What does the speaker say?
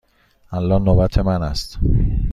الان نوبت من است.